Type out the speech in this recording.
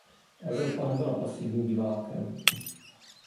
Evropa nebyla pasivním divákem.